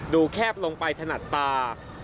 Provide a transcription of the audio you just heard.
แคบลงไปถนัดตา